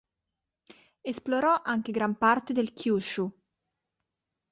Esplorò anche gran parte del Kyūshū.